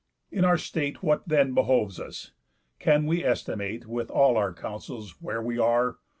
In our state What then behoves us? Can we estimate, With all our counsels, where we are?